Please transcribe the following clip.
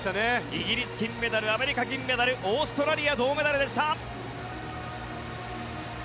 イギリス、金メダルアメリカ、銀メダルオーストラリアが銅メダルでした。